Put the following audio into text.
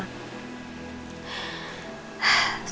tante aku mau ngelakuin sesuatu